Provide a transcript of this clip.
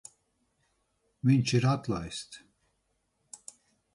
Viņš ir atlaists.